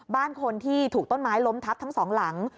บ้านคนที่ถูกต้นไม้ล้มทับทั้งสองหลัง